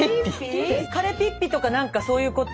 彼ピッピとか何かそういうこと？